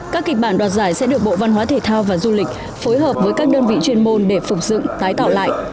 các kịch bản đoạt giải sẽ được bộ văn hóa thể thao và du lịch phối hợp với các đơn vị chuyên môn để phục dựng tái tạo lại